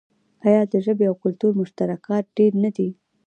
آیا د ژبې او کلتور مشترکات ډیر نه دي؟